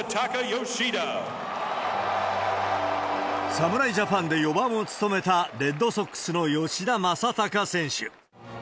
侍ジャパンで４番を務めたレッドソックスの吉田正尚選手。